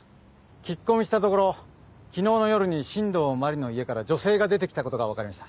聞き込みしたところ昨日の夜に新道真理の家から女性が出てきた事がわかりました。